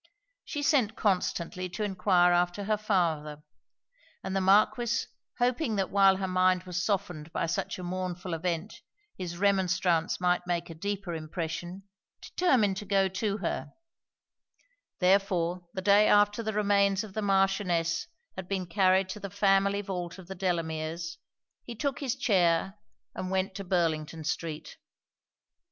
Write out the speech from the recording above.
She sent constantly to enquire after her father; and the Marquis hoping that while her mind was softened by such a mournful event his remonstrance might make a deeper impression, determined to go to her; therefore the day after the remains of the Marchioness had been carried to the family vault of the Delameres, he took his chair, and went to Burlington street.